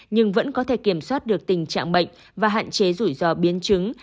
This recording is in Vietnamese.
nhưng vẫn có thể kiểm soát được tình trạng bệnh và hạn chế rủi ro biến chứng